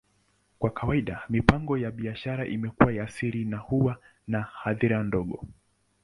Kwa kawaida, mipango ya biashara imekuwa ya siri na huwa na hadhira ndogo.